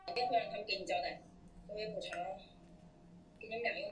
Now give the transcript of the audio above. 于十大劲歌金曲颁奖典礼中夺得新人奖金奖。